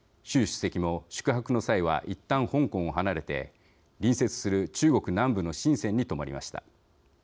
主席も宿泊の際はいったん香港を離れて隣接する中国南部の深せんに泊まりました。